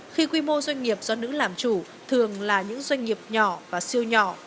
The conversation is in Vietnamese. khi quy mô doanh nghiệp do nữ làm chủ thường là những doanh nghiệp nhỏ và siêu nhỏ